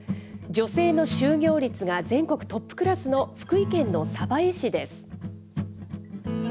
女性の就業率が全国トップクラスの、福井県の鯖江市です。